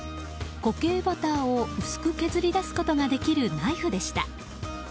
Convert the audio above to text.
固形バターを薄く削りだすことができるナイフでした。